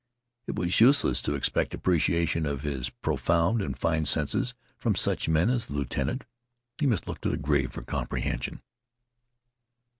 It was useless to expect appreciation of his profound and fine senses from such men as the lieutenant. He must look to the grave for comprehension.